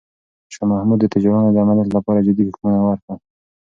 شاه محمود د تجارانو د امنیت لپاره جدي حکمونه ورکړل.